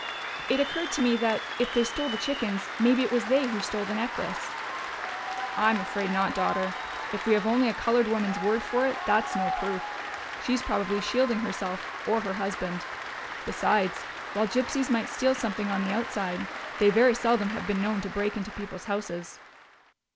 "It occurred to me that, if they stole the chickens, maybe it was they who stole the necklace." "I'm afraid not, daughter. If we have only a colored woman's word for it, that's no proof. She's probably shielding herself or her husband.... Besides, while gypsies might steal something on the outside, they very seldom have been known to break into people's houses."